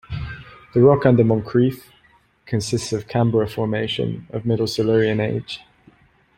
The rock under Moncrieff consists of Canberra Formation of middle Silurian age.